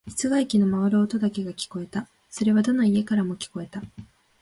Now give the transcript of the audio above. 室外機の回る音だけが聞こえた。それはどの家からも聞こえた。